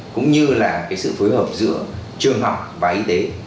cũng như là cái sự phối hợp giữa trường học và y tế